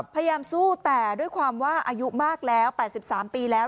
พยายามสู้แต่ด้วยความว่าอายุมากแล้ว๘๓ปีแล้ว